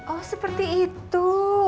oh seperti itu